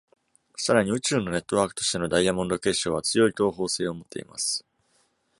さらに、宇宙のネットワークとしてのダイヤモンド結晶は強い等方性を持っています。